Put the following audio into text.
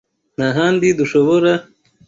nta handi dushobora kubonera ibyishimo bihebuje